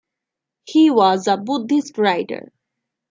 He was a Buddhist writer.